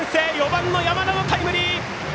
４番の山田のタイムリー！